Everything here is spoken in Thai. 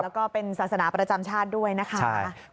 แล้วก็เป็นศาสนาประจำชาติด้วยนะคะ